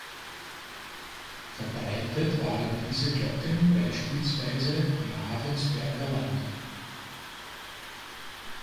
Verbreitet waren diese Glocken beispielsweise im Ravensberger Land.